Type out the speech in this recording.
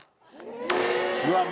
うわっ！